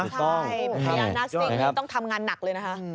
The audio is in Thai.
ใช่พญานาคต้องทำงานหนักเลยนะคะ